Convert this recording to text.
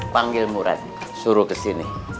panggil murad suruh kesini